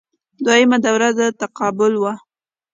دویمه دوره د تقابل وه